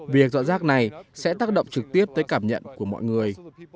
việc dọn rác này sẽ tác động trực tiếp tới cảm nhận của mọi người